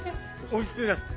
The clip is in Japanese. おいしいです。